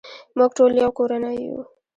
موږ ټول یو کورنۍ یو.